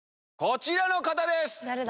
こちらの方です！